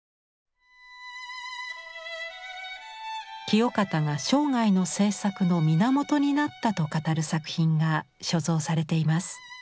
清方が生涯の制作の源になったと語る作品が所蔵されています。